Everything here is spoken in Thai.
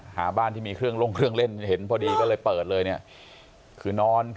หาบ้านที่มีเครื่องลงเครื่องเล่นเพอดเลยภายในคอยนอน